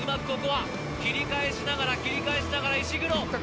ここは切り返しながら切り返しながら石黒